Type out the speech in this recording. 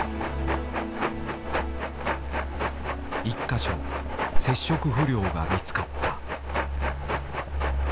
１か所接触不良が見つかった。